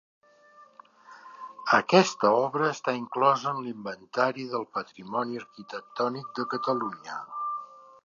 Aquesta obra està inclosa en l'Inventari del Patrimoni Arquitectònic de Catalunya.